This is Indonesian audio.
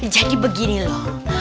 jadi begini loh